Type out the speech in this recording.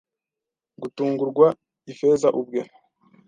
gutungurwa, “Ifeza ubwe!”